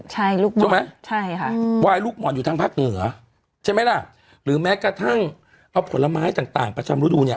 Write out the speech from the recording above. ใช่ลูกหม่อนใช่ไหมใช่ค่ะวายลูกห่อนอยู่ทางภาคเหนือใช่ไหมล่ะหรือแม้กระทั่งเอาผลไม้ต่างต่างประจำรูดูเนี่ย